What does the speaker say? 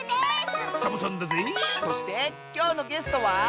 そしてきょうのゲストは。